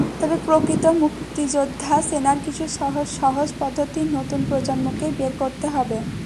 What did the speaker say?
তবে প্রকৃত মুক্তিযোদ্ধা চেনার কিছু সহজ পদ্ধতি নতুন প্রজন্মকেই বের করতে হবে।